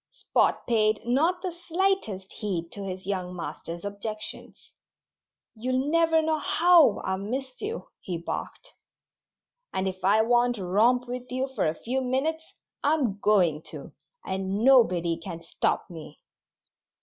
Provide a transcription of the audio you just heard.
Spot paid not the slightest heed to his young master's objections. "You'll never know how I've missed you," he barked. "And if I want to romp with you for a few minutes, I'm going to; and nobody can stop me."